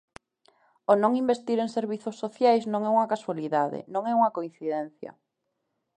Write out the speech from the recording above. O non investir en servizos sociais non é unha casualidade, non é unha coincidencia.